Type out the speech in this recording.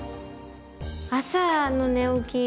朝の寝起き